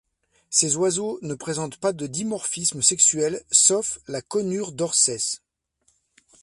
Ces oiseaux ne présentent pas de dimorphisme sexuel, sauf la Conure d'Orcès.